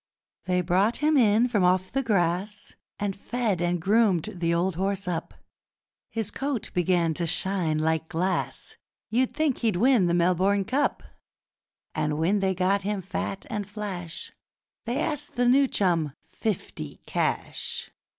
They brought him in from off the grass And fed and groomed the old horse up; His coat began to shine like glass You'd think he'd win the Melbourne Cup. And when they'd got him fat and flash They asked the new chum fifty cash!